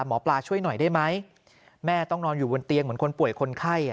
หมอปลาช่วยหน่อยได้ไหมแม่ต้องนอนอยู่บนเตียงเหมือนคนป่วยคนไข้